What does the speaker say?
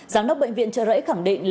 giám đốc bệnh viện trợ rẫy khẳng định